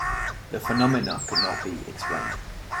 The phenomena could not be explained.